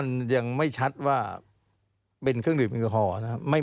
มันยังไม่ชัดว่าเป็นเครื่องดื่มแอลกอฮอล์นะครับ